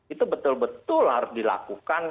itu betul betul harus dilakukan